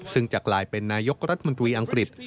ซึ่งจะกลายเป็นนายกรัฐมนตรีอังกฤษ